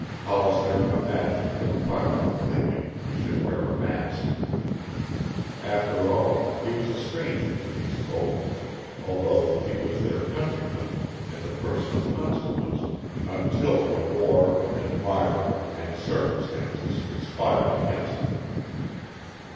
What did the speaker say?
Hollister imagined them privately thinking he should wear a mask. After all, he was a stranger to these folk, although he was their countryman and a person of consequence until the war and Myra and circumstances conspired against him.